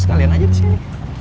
sekalian aja disini